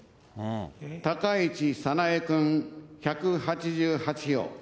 高市早苗君１８８票。